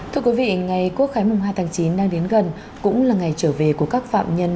thưa quý vị ngày quốc khái mùng hai tháng chín đang đến gần cũng là ngày trở về của các phạm nhân